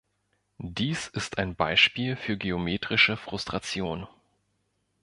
Dies ist ein Beispiel für geometrische Frustration.